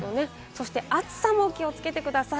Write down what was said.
そして暑さも気をつけてください。